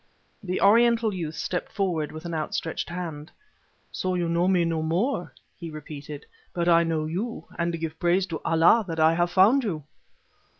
The Oriental youth stepped forward, with outstretched hand. "So you know me no more?" he repeated; "but I know you, and give praise to Allah that I have found you!"